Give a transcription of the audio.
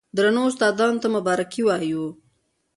درنو استادانو ته مبارکي وايو،